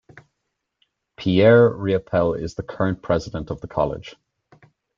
Pierre Riopel is the current president of the college.